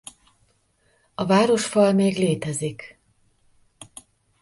A városfal még létezik.